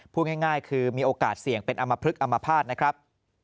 พูดง่ายคือมีโอกาสเสี่ยงเป็นอมพลึกอมภาษณ์นะครับ